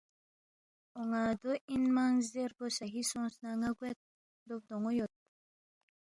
اون٘ا دو اِن منگ زیربو صحیح سونگس نہ ن٘ا گوید، دو بدون٘و یود